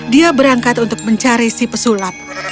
dia berangkat untuk mencari si pesulap